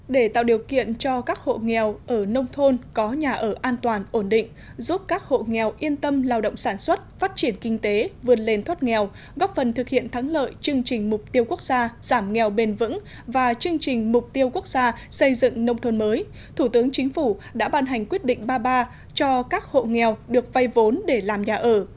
để tạo điều kiện cho các hộ nghèo ở nông thôn có nhà ở an toàn ổn định giúp các hộ nghèo yên tâm lao động sản xuất phát triển kinh tế vươn lên thoát nghèo góp phần thực hiện thắng lợi chương trình mục tiêu quốc gia giảm nghèo bền vững và chương trình mục tiêu quốc gia xây dựng nông thôn mới thủ tướng chính phủ đã ban hành quyết định ba mươi ba cho các hộ nghèo được vây vốn để làm nhà ở